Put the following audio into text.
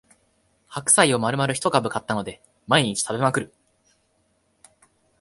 白菜をまるまる一株買ったので毎日食べまくる